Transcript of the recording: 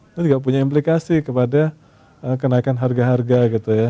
itu juga punya implikasi kepada kenaikan harga harga gitu ya